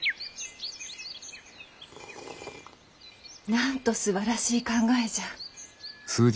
なんとすばらしい考えじゃ。